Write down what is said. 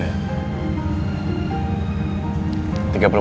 sekarang kita jogging dulu ya